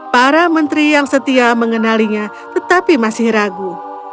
para menteri yang setia mengenalinya tetapi masih ragu